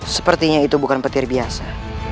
sepertinya itu bukan petir biasa